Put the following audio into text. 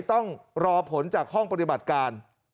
ต้องรอผลจากห้องปฏิบัติการ